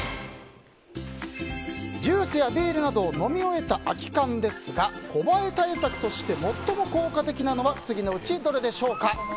ジュースやビールなど飲み終えた空き缶ですがコバエ対策として最も効果的なのは次のうちどれでしょうか。